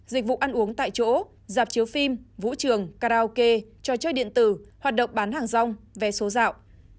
dịch vụ ăn uống tại chỗ dạp chiếu phim vũ trường karaoke trò chơi điện tử hoạt động bán hàng rong vé số dạo